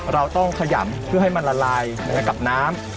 เราต้องขยำเพื่อให้มันละลายกับน้ำ